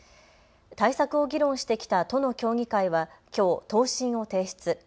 対策を議論してきた都の協議会はきょう答申を提出。